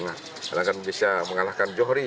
karena kan bisa mengalahkan johri